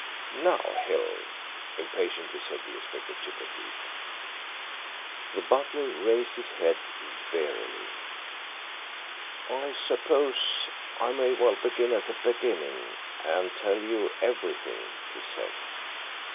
"Now, Hill," impatiently said Inspector Chippenfield. The butler raised his head wearily. "I suppose I may as well begin at the beginning and tell you everything," he said.